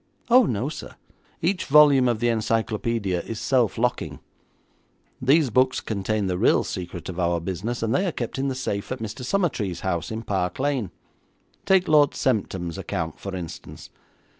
'Oh, no, sir. Each volume of the encyclopaedia is self locking. These books contain the real secret of our business, and they are kept in the safe at Mr. Summertrees' house in Park Lane. Take Lord Semptam's account, for instance.